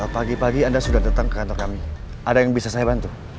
pagi pagi anda sudah datang ke kantor kami ada yang bisa saya bantu